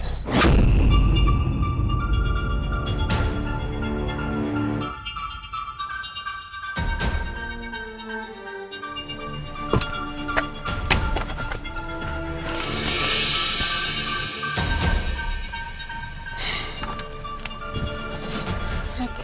gue butuh uang guys